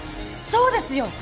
そうですよ！